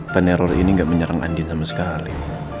pak teror ini gak menyerang andin sama sekali